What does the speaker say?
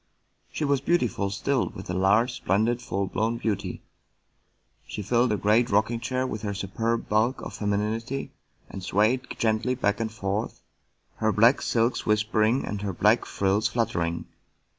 She was beautiful still, with a large, splendid, full blown beauty ; she filled a great rocking chair with her superb bulk of femininity, and swayed gently back and forth, her black silks whispering and her black frills fluttering.